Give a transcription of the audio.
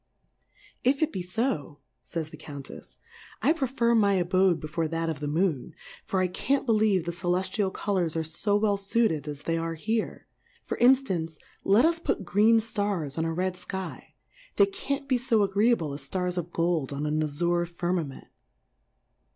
If it be fo, fays the Count tf\, I prefer my abode before that of the Moon ; for I can't believe the Celeftial Colours are fo well fuired asthey are here ; for inftance, let us put green Stars on a red Sky, they can't be fo agreeable as Stars of Gold on an Azure Firmament.